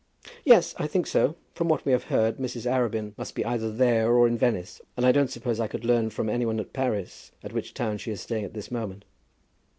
"Yes; I think so. From what we have heard, Mrs. Arabin must be either there or at Venice, and I don't suppose I could learn from any one at Paris at which town she is staying at this moment."